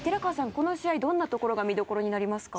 この試合どんなところが見どころになりますか？